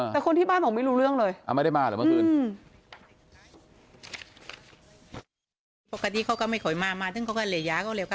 แต่คนที่บ้านบอกไม่รู้เรื่องเลย